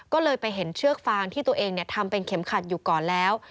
ก็เลยไปเห็นเชือกฟางที่ตัวเองทำเป็นเข็มขัดอยู่ก่อนแล้ว